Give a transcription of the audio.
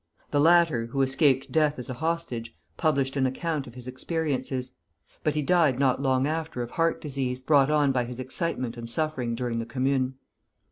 The latter, who escaped death as a hostage, published an account of his experiences; but he died not long after of heart disease, brought on by his excitement and suffering during the Commune.